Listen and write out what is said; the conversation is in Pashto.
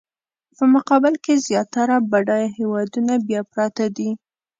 په مقابل کې زیاتره بډایه هېوادونه بیا پراته دي.